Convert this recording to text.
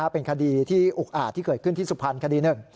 เป็นคดีอุกอ่าที่เกิดขึ้นที่สุพรรณคดี๑